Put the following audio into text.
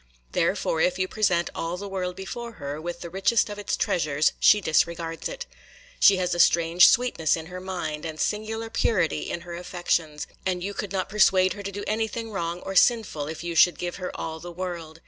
Therefore, if you present all the world before her, with the richest of its treasures, she disregards it. She has a strange sweetness in her mind, and singular purity in her affections; and you could not persuade her to do anything wrong or sinful, if you should give her all the world.